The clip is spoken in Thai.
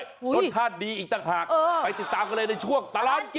โอ้ยรสชาติดีอีกต่างหากเออไปติดตามกันเลยในช่วงตารางกิน